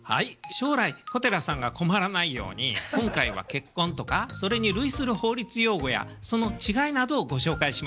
将来小寺さんが困らないように今回は結婚とかそれに類する法律用語やその違いなどをご紹介しましょう。